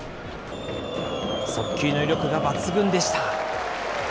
速球の威力が抜群でした。